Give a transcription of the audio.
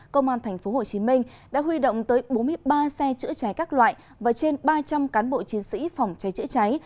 công an tp hcm đã huy động tới bốn mươi ba xe chữa cháy các loại và trên ba trăm linh cán bộ chiến sĩ phòng cháy chữa cháy